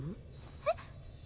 えっ？